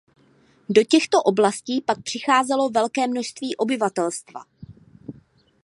Do těchto oblastí pak přicházelo velké množství obyvatelstva.